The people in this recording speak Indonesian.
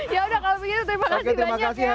ya udah kalau begitu terima kasih banyak ya